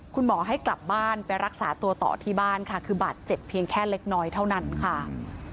คุณหมอให้กลับบ้านไปรักษาตัวต่อที่บ้านค่ะคือบาดเจ็บเพียงแค่เล็กน้อยเท่านั้นค่ะ